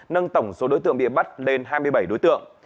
nâng tổng số đối tượng bị bắt lên hai mươi bảy đối tượng